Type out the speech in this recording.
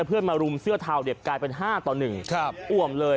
เพื่อนมารุมเสื้อทาวเด็บไกลเป็นห้าต่อหนึ่งครับอวมเลย